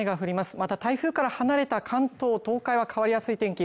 また台風から離れた関東、東海は変わりやすい天気